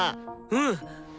うん！